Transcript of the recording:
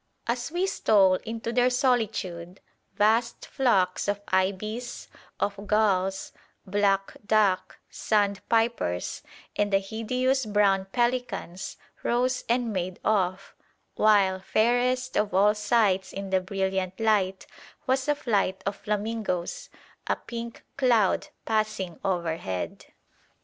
As we stole into their solitude, vast flocks of ibis, of gulls, black duck, sandpipers, and the hideous brown pelicans rose and made off; while, fairest of all sights in the brilliant light, was a flight of flamingoes, a pink cloud passing overhead.